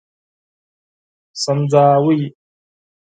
سنځاوي